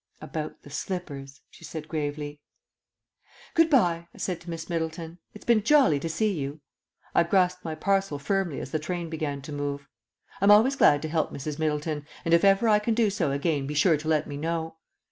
"About the slippers," she said gravely. ..... "Good bye," I said to Miss Middleton. "It's been jolly to see you." I grasped my parcel firmly as the train began to move. "I'm always glad to help Mrs. Middleton, and if ever I can do so again be sure to let me know."